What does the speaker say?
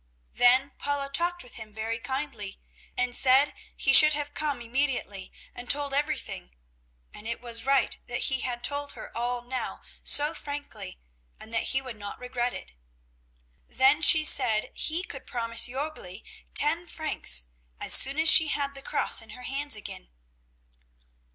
Then Paula talked with him very kindly and said he should have come immediately and told everything, and it was right that he had told her all now so frankly, and that he would not regret it. Then she said he could promise Jörgli ten francs, as soon as she had the cross in her hands again.